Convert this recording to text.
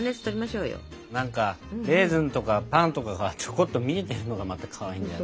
なんかレーズンとかパンとかがちょこっと見えてるのがまたかわいいんだよな。